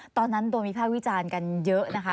ตอนนั้นโดนวิภาควิจารณ์กันเยอะนะคะ